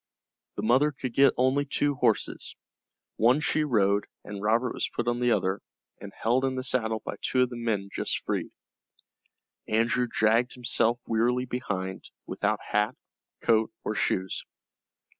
The mother could get only two horses. One she rode, and Robert was put on the other, and held in the saddle by two of the men just freed. Andrew dragged himself wearily behind, without hat, coat, or shoes.